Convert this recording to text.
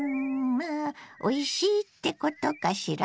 まあおいしいってことかしら？